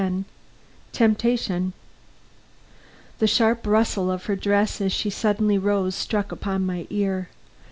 X TEMPTATION The sharp rustle of her dress as she suddenly rose struck upon my ear.